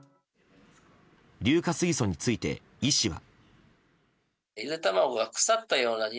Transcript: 硫化水素について医師は。